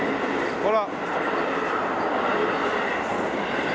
ほら。